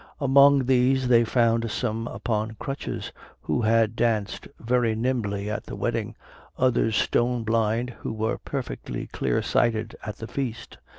Among these they found some upon crutches, who had danced very nimbly at the wedding, others stone blind, who were perfectly clear sighted at the feast.